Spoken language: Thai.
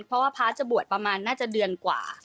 เพราะว่าพระจะบวชประมาณน่าจะเดือนกว่า